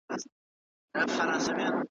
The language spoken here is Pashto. مزل کوم خو په لار نه پوهېږم `